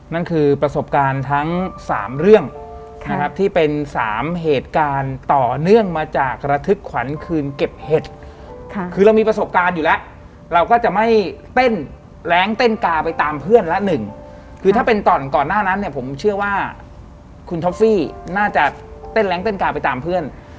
นั่นคือประสบการณ์ทั้งสามเรื่องนะครับที่เป็นสามเหตุการณ์ต่อเนื่องมาจากระทึกขวัญคืนเก็บเห็ดค่ะคือเรามีประสบการณ์อยู่แล้วเราก็จะไม่เต้นแรงเต้นกาไปตามเพื่อนละหนึ่งคือถ้าเป็นตอนก่อนหน้านั้นเนี่ยผมเชื่อว่าคุณท็อฟฟี่น่าจะเต้นแรงเต้นกาไปตามเพื่อน